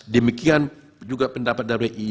demikian juga pendapat dari ii